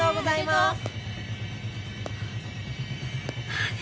何？